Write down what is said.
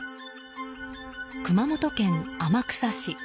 熊本県天草市。